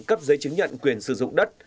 cấp giấy chứng nhận quyền sử dụng đất